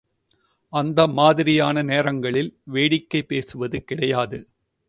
அந்த மாதிரியான நேரங்களில் வேடிக்கைபேசுவது கிடையாது.